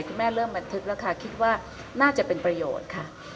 เริ่มบันทึกแล้วค่ะคิดว่าน่าจะเป็นประโยชน์ค่ะ